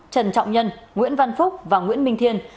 trần trọng nhân nguyễn văn phúc và nguyễn minh thiên